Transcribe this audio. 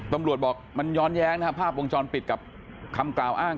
ตำรวจบอกมันย้อนแย้งนะครับภาพวงจรปิดกับคำกล่าวอ้าง